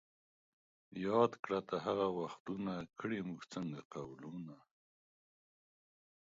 یاد کړه ته هغه وختونه ـ کړي موږ څنګه قولونه